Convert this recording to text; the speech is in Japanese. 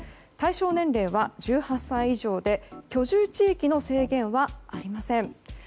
対象年齢は１８歳以上で居住地域の制限はありません。